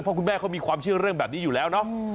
เพราะคุณแม่เขามีความเชื่อเรื่องแบบนี้อยู่แล้วเนาะ